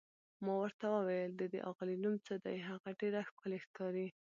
ما ورته وویل: د دې اغلې نوم څه دی، هغه ډېره ښکلې ښکاري؟